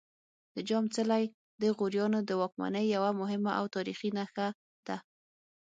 د جام څلی د غوریانو د واکمنۍ یوه مهمه او تاریخي نښه ده